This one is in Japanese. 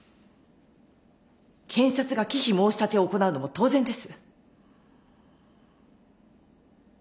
検察が忌避申し立てを行うのも当然です。